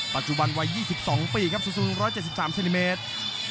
ปัจจุบันวัย๒๒ปีครับสูตรศูนย์๑๗๓ซินิเมตร